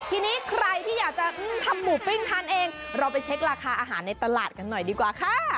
ทีนี้ใครที่อยากจะทำหมูปิ้งทานเองเราไปเช็คราคาอาหารในตลาดกันหน่อยดีกว่าค่ะ